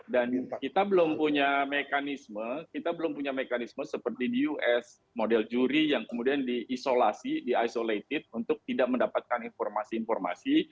dan kita belum punya mekanisme kita belum punya mekanisme seperti di us model juri yang kemudian diisolasi di isolated untuk tidak mendapatkan informasi informasi